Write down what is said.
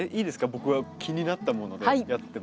僕は気になったものでやっても。